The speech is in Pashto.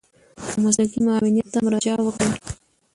او مسلکي معاونيت ته مراجعه وکړي.